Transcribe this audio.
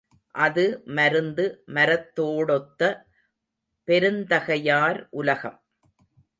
அது மருந்து மரத்தோடொத்த பெருந்தகையார் உலகம்.